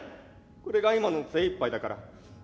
これが今の精いっぱいだから。